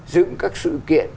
dựng các sự kiện